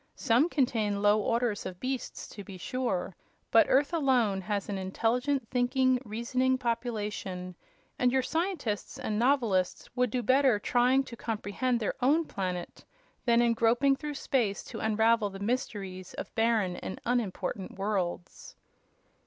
Some contain low orders of beasts, to be sure, but Earth alone has an intelligent, thinking, reasoning population, and your scientists and novelists would do better trying to comprehend their own planet than in groping through space to unravel the mysteries of barren and unimportant worlds."